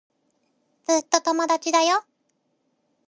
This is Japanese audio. ずっと友達だよ。